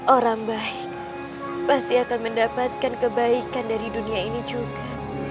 orang baik pasti akan mendapatkan kebaikan dari dunia ini juga